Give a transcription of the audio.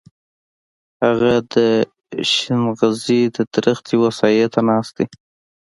هغه د شينغزي د درختې و سايه ته ناست دی.